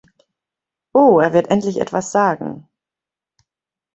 Oh, er wird endlich etwas sagen!